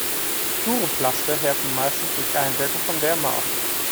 Duroplaste härten meistens durch Einwirken von Wärme aus.